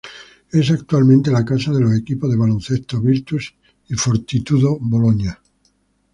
Es actualmente la casa de los equipos de baloncesto Virtus y Fortitudo Bologna.